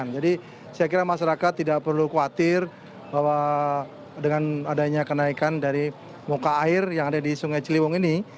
jadi saya kira masyarakat tidak perlu khawatir bahwa dengan adanya kenaikan dari muka air yang ada di sungai ciliwung ini